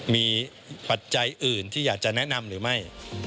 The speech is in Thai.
มีปัจจัยอื่นที่อยากจะแนะนำหรือไม่